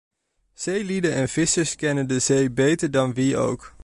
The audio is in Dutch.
Zeelieden en vissers kennen de zee beter dan wie ook.